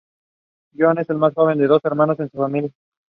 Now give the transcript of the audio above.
Along with ul.